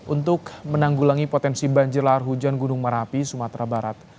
untuk menanggulangi potensi banjir lahar hujan gunung merapi sumatera barat